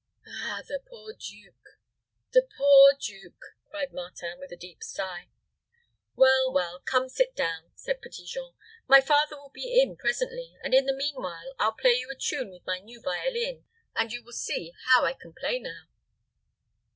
"Ah, the poor duke! the poor duke!" cried Martin, with a deep sigh. "Well, well, come sit down," said Petit Jean. "My father will be in presently, and in the mean while, I'll play you a tune on my new violin, and you will see how I can play now."